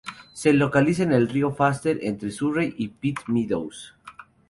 Se localiza en el río Fraser, entre Surrey y Pitt Meadows.